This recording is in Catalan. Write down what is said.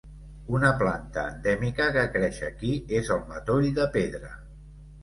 Una planta endèmica que creix aquí és el matoll de pedra.